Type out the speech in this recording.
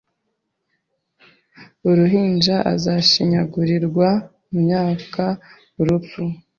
Uruhinja Azashinyagurirwa mu myakaUrupfu